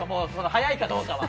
早いかどうかは。